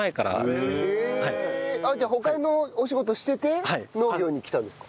じゃあ他のお仕事してて農業に来たんですか？